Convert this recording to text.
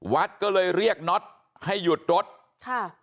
วัดก็เลยเรียกน็อตให้หยุดรถค่ะ